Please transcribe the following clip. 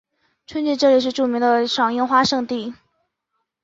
春季这里是著名的赏樱花胜地。